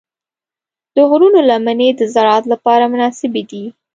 د غرونو لمنې د زراعت لپاره مناسبې دي.